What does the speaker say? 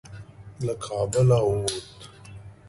له کابله ووت.